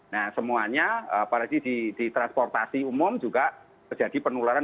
nah semuanya apalagi di transportasi umum juga terjadi penularan